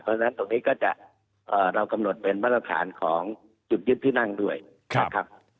เพราะฉะนั้นตรงนี้ก็จะเรากำหนดเป็นมาตรฐานของจุดยึดที่นั่งด้วยนะครับ